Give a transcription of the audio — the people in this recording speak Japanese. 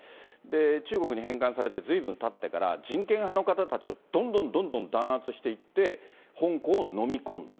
中国に返還されてずいぶんたってから、人権派の方たちをどんどんどんどん弾圧していって、香港を飲み込んだ。